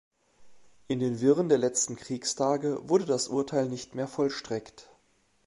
In den Wirren der letzten Kriegstage wurde das Urteil nicht mehr vollstreckt.